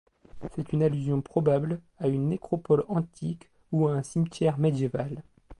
C'est une allusion probable à une nécropole antique ou à un cimetière médiéval.